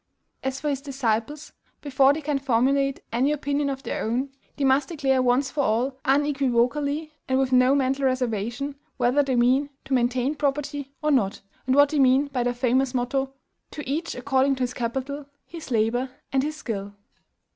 As for his disciples, before they can formulate any opinion of their own, they must declare once for all, unequivocally and with no mental reservation, whether they mean to maintain property or not, and what they mean by their famous motto, "To each according to his capital, his labor, and his skill."